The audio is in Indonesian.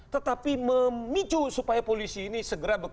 tetapi memicu supaya polisi ini segera bekerja dengan baik